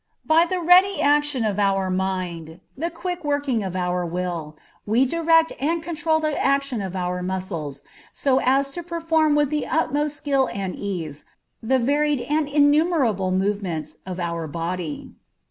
By the ready action of our mind, the quick working of our will, we direct and control the action of our muscles, so as to perform with the utmost skill and ease the varied and innumerable movements of our body.